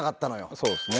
そうですね。